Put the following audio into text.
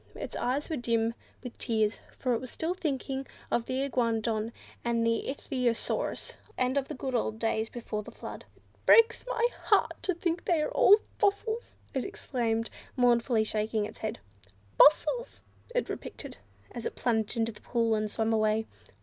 Its eyes were dim with tears, for it was still thinking of the Iguanodon and ichthyosaurus, and of the good old days before the Flood. "It breaks my heart to think that they are all fossils," it exclaimed, mournfully shaking its head. "Fossils!" it repeated, as it plunged into the pool and swam away.